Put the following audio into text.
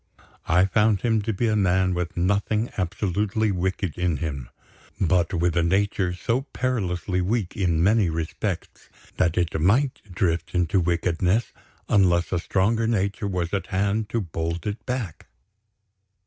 I found him to be a man with nothing absolutely wicked in him but with a nature so perilously weak, in many respects, that it might drift into wickedness unless a stronger nature was at hand to bold it back.